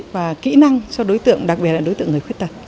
và kỹ năng cho đối tượng đặc biệt là đối tượng người khuyết tật